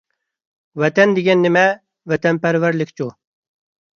ۋەتەن دېگەن نېمە؟ ۋەتەنپەرۋەرلىكچۇ؟